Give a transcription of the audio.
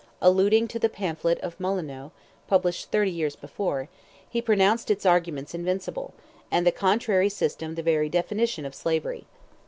Alluding to the pamphlet of Molyneux, published thirty years before, he pronounced its arguments invincible, and the contrary system "the very definition of slavery."